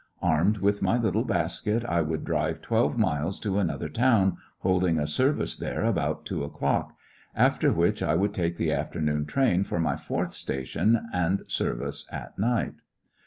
Armed with my little basket,! would drive twelve miles to another town, holding a service there about two o'clock, after which I would take the afternoon train for my fourth station and service at night.